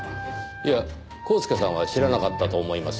いやコースケさんは知らなかったと思いますよ。